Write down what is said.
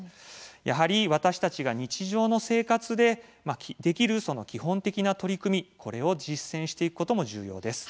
やはり私たちが日常の生活でできる基本的な取り組みを実践することも重要です。